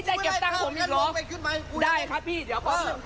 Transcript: ผมสภาพอย่างนี้เหมือนคนขี้โกง